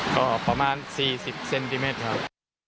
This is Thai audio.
ก็ประมาณสี่สิบเซนติเมตรครับ